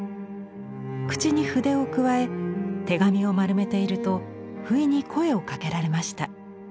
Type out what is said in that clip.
口に筆をくわえ手紙を丸めているとふいに声をかけられました。